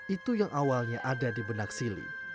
itu yang awalnya ada di benak sili